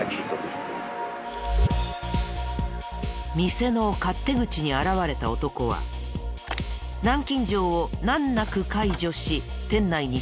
店の勝手口に現れた男は南京錠を難なく解除し店内に侵入。